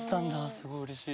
すごいうれしい。